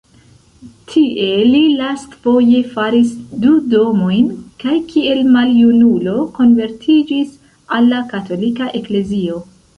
Tie li lastfoje faris du domojn kaj kiel maljunulo konvertiĝis al la Katolika Eklezio.